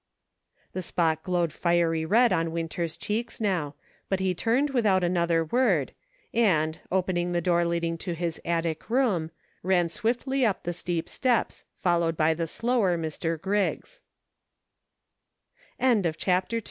The spot glowed fiery red on Winter's cheeks now, but he turned without another word, and, opening the door leading to his attic room, ran swiftly up the steep steps, followed by th